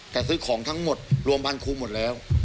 แต่ซื้อของทั้งหมดรวมพันครูหมดแล้ว